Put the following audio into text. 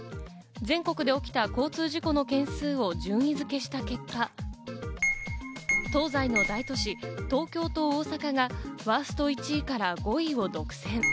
全国で起きた交通事故の件数を順位付けした結果、東西の大都市、東京と大阪がワースト１位から５位を独占。